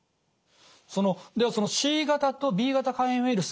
ではＣ型とＢ型肝炎ウイルス